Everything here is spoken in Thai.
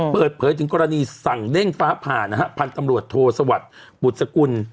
เปิดเผยถึงกรณีสั่งเด้งฟ้าผ่านะฮะพันธุ์ตำรวจโทสวัสดิ์บุษกุล